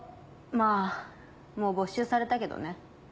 まぁもう没収されたけどね。